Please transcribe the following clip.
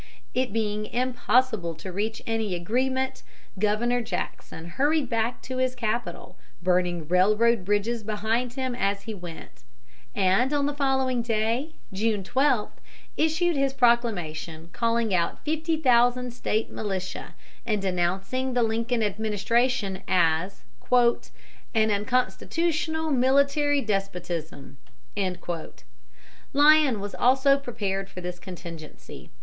It being impossible to reach any agreement, Governor Jackson hurried back to his capital, burning railroad bridges behind him as he went, and on the following day, June 12, issued his proclamation calling out fifty thousand State militia, and denouncing the Lincoln administration as "an unconstitutional military despotism." Lyon was also prepared for this contingency.